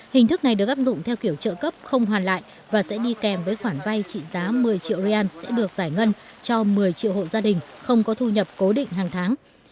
hình thức này được áp dụng theo kiểu trợ cấp không hoàn lại và sẽ đi kèm với khoản vay trị giá một mươi triệu rian